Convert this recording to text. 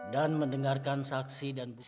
dan mendengarkan saksi dan bukti